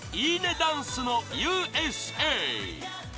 ダンスの「Ｕ．Ｓ．Ａ．」